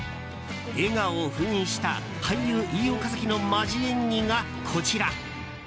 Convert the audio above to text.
笑顔を封印した俳優・飯尾和樹のマジ演技がこちら。